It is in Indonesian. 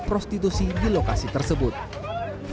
dan memastikan lokasi tersebut tidak terjebak